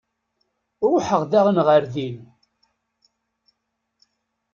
Ruḥeɣ daɣen ɣer din.